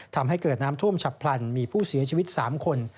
ทำให้เกิดน้ำท่วมฉับพลันมีผู้เสียชีวิต๓คน